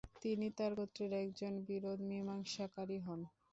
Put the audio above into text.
তিনি তার গোত্রের একজন বিরোধ মীমাংসাকারী হন।